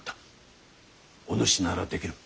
おぬしならできる。